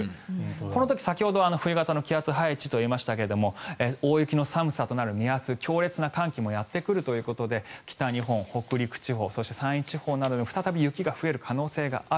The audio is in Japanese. この時、先ほど冬型の気圧配置といいましたが大雪の寒さとなる目安強烈な寒気もやってくるということで北日本、北陸地方そして、山陰地方などでも再び雪が増える可能性がある。